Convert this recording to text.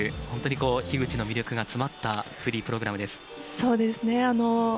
本当に樋口の魅力が詰まったフリープログラムです。